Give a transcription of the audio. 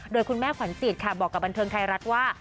โดยคุณแม่ขวัญจิตค่ะบอกกับบันเทิงไทยรัฐว่า